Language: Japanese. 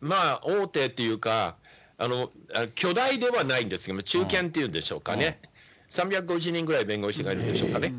まあ大手というか、巨大ではないんですけども、中堅というんでしょうかね、３５０人ぐらい弁護士がいるんですかね。